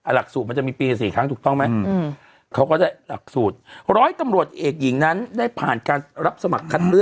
หลักสูตรมันจะมีปี๔ครั้งถูกต้องไหม